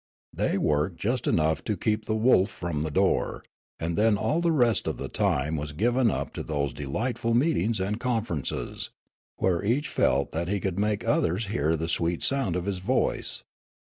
They worked just enough to keep the wolf from the door ; and then all the rest of the time was given up to those delightful meetings and conferences, where each felt that he could make others hear the sweet sound of his voice.